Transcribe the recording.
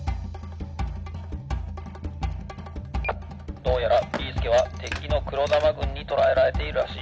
「どうやらビーすけはてきのくろだまぐんにとらえられているらしい。